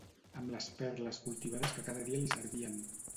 amb les perles cultivades que cada dia li servien